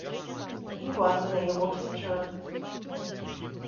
He was an able teacher.